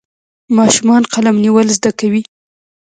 ماشومان قلم نیول زده کوي.